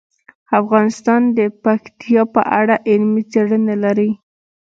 افغانستان د پکتیا په اړه علمي څېړنې لري.